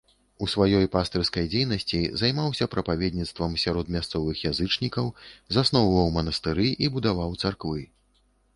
У сваёй пастырскай дзейнасці займаўся прапаведніцтвам сярод мясцовых язычнікаў, засноўваў манастыры і будаваў царквы.